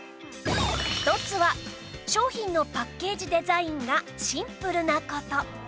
一つは商品のパッケージデザインがシンプルな事